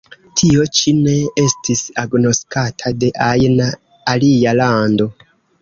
Tio ĉi ne estis agnoskata de ajna alia lando.